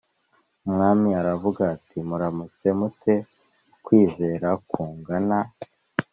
Umwami aravuga ati muramutse mu te ukwizera kungana